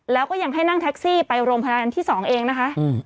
แล้วก็ยังให้นั่งแท็กซี่ไปโรงพยาบาลอันที่๒เองนะคะ